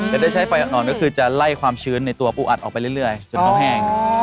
แต่ได้ใช้ไฟอ่อนก็คือจะไล่ความชื้นในตัวปูอัดออกไปเรื่อยจนเขาแห้ง